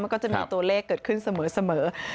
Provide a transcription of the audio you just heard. มันก็จะมีตัวเลขเกิดขึ้นเสมอ